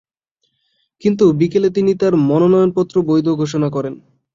কিন্তু বিকেলে তিনি তাঁর মনোনয়নপত্র বৈধ ঘোষণা করেন।